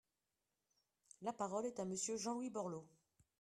La parole est à Monsieur Jean-Louis Borloo.